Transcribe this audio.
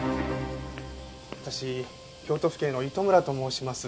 私京都府警の糸村と申します。